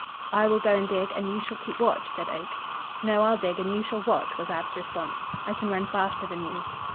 "I will go and dig and you shall keep watch," said Oak. "No, I'll dig and you shall watch," was Ab's response. "I can run faster than you."